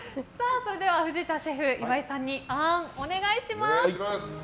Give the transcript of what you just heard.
それでは藤田シェフ岩井さんにあーん、お願いします。